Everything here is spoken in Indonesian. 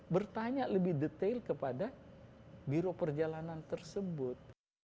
bertanya lebih detail kepada biro perjalanan tersebut